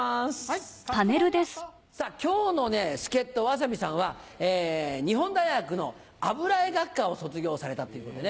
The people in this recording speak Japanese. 今日の助っ人わさびさんは日本大学の油絵学科を卒業されたっていうことで。